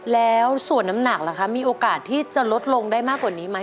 แล้วส่วนน้ำหนักล่ะคะมีโอกาสที่จะลดลงได้มากกว่านี้ไหม